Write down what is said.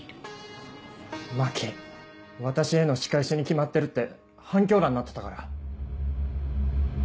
「私への仕返しに決まってる」って半狂乱になってたから。